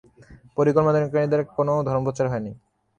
পরিকল্পনাকারীদের দ্বারা কখনও ধর্মপ্রচার হয় নাই।